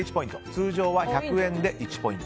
通常は１００円で１ポイント。